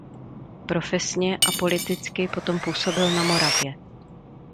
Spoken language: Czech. Profesně a politicky potom působil na Moravě.